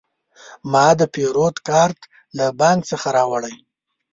ما د پیرود کارت له بانک څخه راوړی.